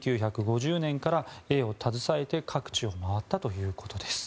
１９５０年から絵を携えて各地を回ったということです。